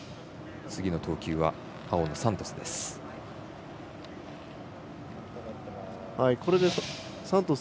次の投球は、青のサントス。